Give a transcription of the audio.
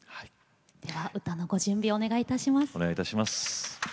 では歌のご準備お願いいたします。